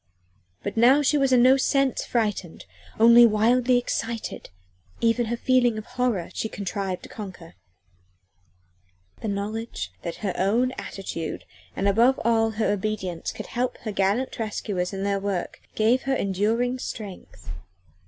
But now she was in no sense frightened, only wildly excited; even her feeling of horror she contrived to conquer. The knowledge that her own attitude, and above all her obedience, would help her gallant rescuers in their work gave her enduring strength.